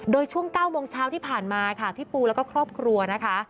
โดยช่วง๙โมงเช้าที่ผ่านมาค่ะพี่ปูแล้วก็ครอบครัวนะคะ